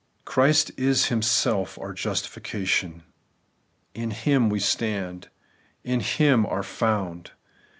Christ is Himself our justification. In Him we * stand.' In Him we are ' foimd.'